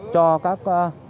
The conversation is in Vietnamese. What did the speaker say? cho các bệnh nhân nằm nội trú